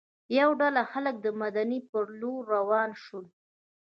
یوه ډله خلک د مدینې پر لور روان شول.